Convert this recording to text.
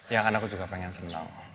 ya kan aku juga pengen senang